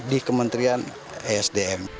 di kementerian esdm